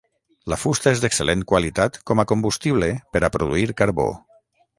La fusta és d'excel·lent qualitat com a combustible per a produir carbó.